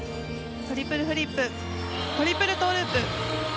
トリプルフリップトリプルトゥループ。